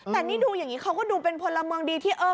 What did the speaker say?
แต่นี่ดูอย่างนี้เขาก็ดูเป็นพลเมืองดีที่เออ